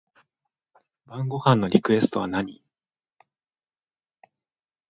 晩ご飯のリクエストは何